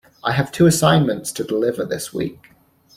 I have two assignments to deliver this week.